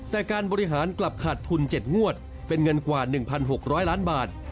แต่การบริหารกลับขาดทุน๗งวดเป็นเงินกว่า๑๖๐๐ล้านบาท